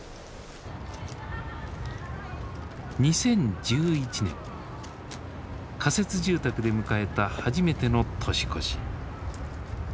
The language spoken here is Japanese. ２０１１年仮設住宅で迎えた初めての年越し。